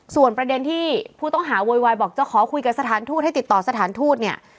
ส่วนประเด็นที่ผู้ต้องหาโวยวายบอกจะขอคุยกับสถานทูตให้ติดต่อสถานทูตเนี่ย